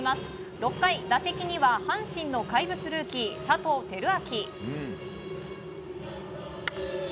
６回、打席には阪神の怪物ルーキー、佐藤輝明。